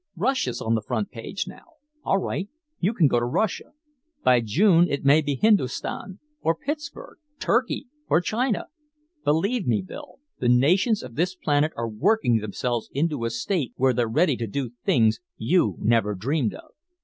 Russia's on the front page now. All right, you can go to Russia. By June it may be Hindustan, or Pittsburgh, Turkey or China. Believe me, Bill, the nations of this planet are working themselves into a state where they're ready to do things you never dreamed of.